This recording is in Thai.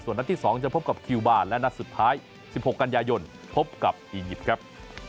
นัดที่๒จะพบกับคิวบาร์และนัดสุดท้าย๑๖กันยายนพบกับอียิปต์ครับ